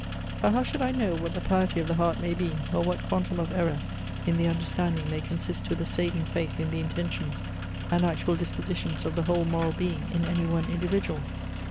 For how should I know, what the piety of the heart may be, or what quantum of error in the understanding may consist with a saving faith in the intentions and actual dispositions of the whole moral being in any one individual?